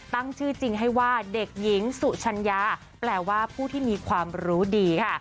ตั้งชื่อจริงให้ว่าเด็กหญิงสุชัญญาแปลว่าผู้ที่มีความรู้ดีค่ะ